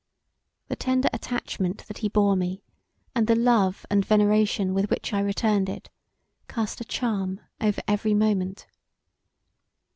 The tender attachment that he bore me, and the love and veneration with which I returned it cast a charm over every moment.